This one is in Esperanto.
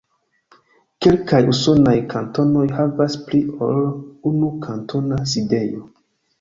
Kelkaj usonaj kantonoj havas pli ol unu kantona sidejo.